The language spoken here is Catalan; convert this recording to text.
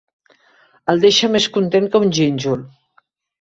El deixa més content que un gínjol.